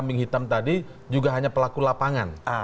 kambing hitam tadi juga hanya pelaku lapangan